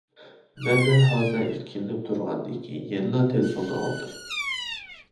مەن بىر ھازا ئىككىلىنىپ تۇرغاندىن كېيىن، يەنىلا تېلېفوننى ئالدىم.